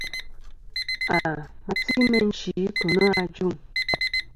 À ma ti meyn chi kɨ̀ nô ajûŋ.